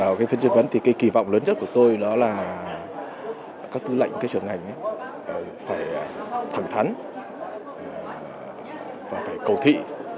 ở phía chất vấn thì kỳ vọng lớn nhất của tôi đó là các tư lệnh trưởng ngành phải thẳng thắn và phải cầu thị